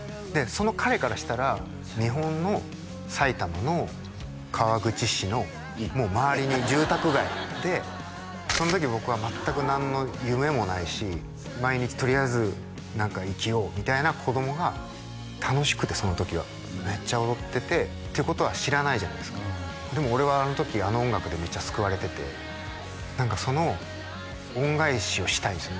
その彼からしたら日本の埼玉の川口市のもう周りに住宅街でその時僕は全く何の夢もないし毎日とりあえず生きようみたいな子供が楽しくてその時はめっちゃ踊っててってことは知らないじゃないですかでも俺はあの時あの音楽でめっちゃ救われててその恩返しをしたいんですよ